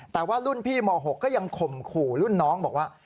แต่ว่ารุ่นพี่ม๖ก็ยังข่มขู่รุ่นน้องบอกว่า